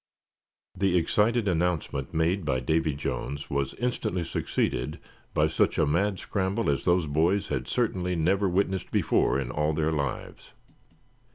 The excited announcement made by Davy Jones was instantly succeeded by such a mad scramble as those boys had certainly never witnessed before in all their lives.